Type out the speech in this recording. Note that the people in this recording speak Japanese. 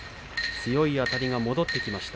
強いあたりが戻ってきました。